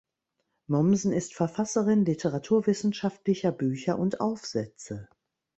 Mommsen ist Verfasserin literaturwissenschaftlicher Bücher und Aufsätze.